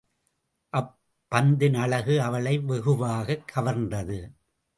அப் பந்தின் அழகு அவளை வெகுவாகக் கவர்ந்தது.